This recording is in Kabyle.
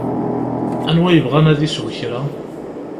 Anwa yebɣan ad isew kra?